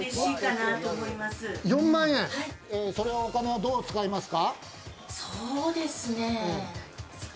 そのお金は、どう使いますか？